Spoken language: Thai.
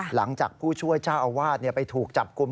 หลังจากผู้ช่วยเจ้าอาวาสไปถูกจับกลุ่ม